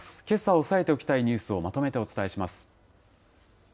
けさ押さえておきたいニュースをまとめてお伝えします。